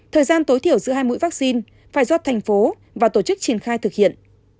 thời gian tối thiểu giữa hai mũi vaccine phải do thành phố và tổ chức triển khai thực hiện